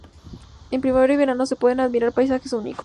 En primavera y verano se pueden admirar paisajes únicos.